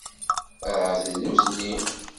Ahat d nutni.